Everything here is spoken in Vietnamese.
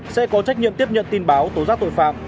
sẽ có trách nhiệm tiếp nhận tin báo tố giác tội phạm